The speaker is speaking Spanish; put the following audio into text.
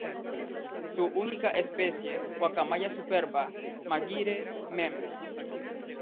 Su única especie: "Guacamaya superba" Maguire, Mem.